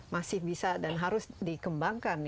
masih bisa dan harus dikembangkan